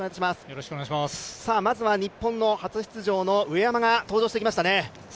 まずは日本の初出場の上山が登場してきましたね。